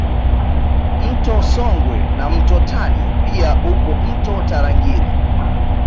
Mto Songwe na mto Tani pia upo mto Tarangire